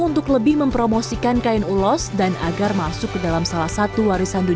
untuk lebih mempromosikan kain ulos dan agar masuk kedalam salah satu kain ulos yang dikumpulkan di kota